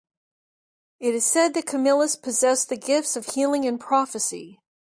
It is said that Camillus possessed the gifts of healing and prophecy.